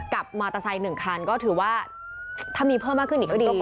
กับมอเตอร์ไซค์๑คันก็ถือว่าถ้ามีเพิ่มมากขึ้นอีกก็ดี